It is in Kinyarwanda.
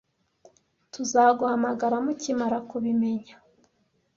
Tuzaguhamagara mukimara kubimenya.